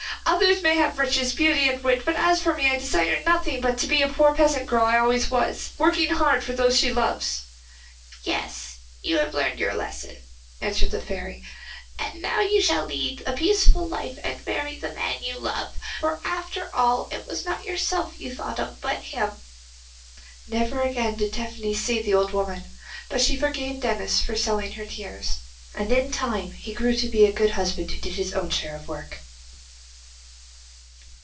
Others may have riches, beauty and wit, but as for me I desire nothing but to be the poor peasant girl I always was, working hard for those she loves.' 'Yes, you have learned your lesson,' answered the fairy, 'and now you shall lead a peaceful life and marry the man you love. For after all it was not yourself you thought of but him.' Never again did Tephany see the old woman, but she forgave Denis for selling her tears, and in time he grew to be a good husband, who did his own share of work.